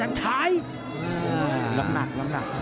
แล้วก็สำนักงานขณะบริการกีฬามวยด้วยเป็นการใหญ่เลยนะ